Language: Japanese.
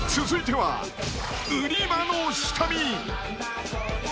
続いては、売り場の下見。